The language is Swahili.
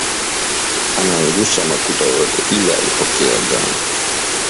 Anangusha makuta yote ile alipokea jana